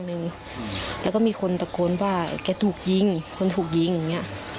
แล้วก็มีคนตะโกนว่าแกถูกยิงคนถูกยิงอย่างเงี้ย